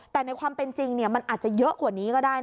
แต่ในความเป็นจริงมันอาจจะเยอะกว่านี้ก็ได้